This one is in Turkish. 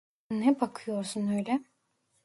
Ne bakıyorsun öyle?